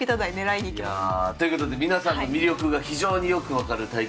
いやあということで皆さんの魅力が非常によく分かる対局でございました。